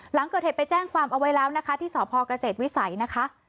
หลังเกิดเหตุไปแจ้งความเอาไว้แล้วนะคะที่สพเกษตรวิสัยนะคะ